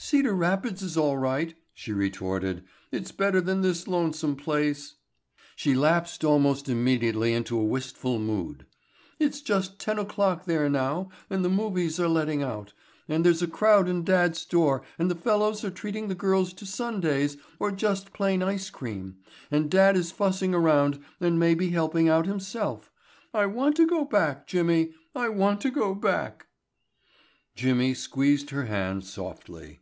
"Cedar Rapids is all right," she retorted. "It's better than this lonesome place." She lapsed almost immediately into a wistful mood. "It's just ten o'clock there now and the movies are letting out, and there's a crowd in dad's store and the fellows are treating the girls to sundaes or just plain ice cream and dad is fussing around and maybe helping out himself. I want to go back, Jimmy, I want to go back." Jimmy squeezed her hand softly.